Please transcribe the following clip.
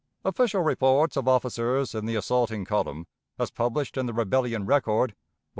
Official reports of officers in the assaulting column, as published in the "Rebellion Record," vol.